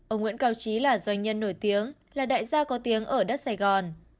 ông nguyễn cao trí là doanh nhân nổi tiếng là đại gia có tiếng ở đất sài gòn